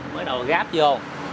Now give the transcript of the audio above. mới đầu gáp vô